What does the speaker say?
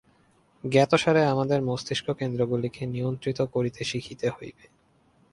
জ্ঞাতসারে আমাদের মস্তিষ্ক-কেন্দ্রগুলিকে নিয়ন্ত্রিত করিতে শিখিতে হইবে।